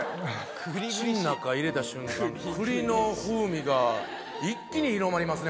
口の中入れた瞬間栗の風味が一気に広まりますね